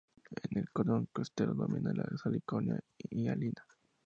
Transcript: En el cordón costero domina la "Salicornia hialina".